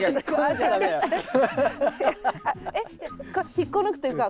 引っこ抜くというか